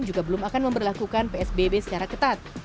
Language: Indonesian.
juga belum akan memperlakukan psbb secara ketat